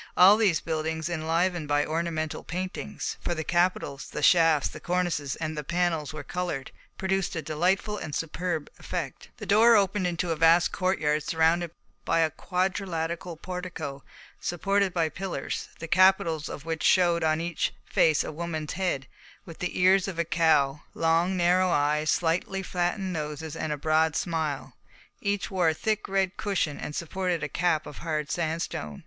All these buildings, enlivened by ornamental paintings, for the capitals, the shafts, the cornices, and the panels were coloured, produced a delightful and superb effect. The door opened into a vast court surrounded by a quadrilateral portico supported by pillars, the capitals of which showed on each face a woman's head, with the ears of a cow, long, narrow eyes, slightly flattened noses, and a broad smile; each wore a thick red cushion and supported a cap of hard sandstone.